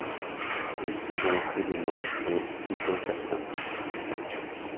Le second élément est plus incertain.